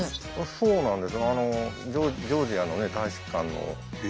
そうなんです。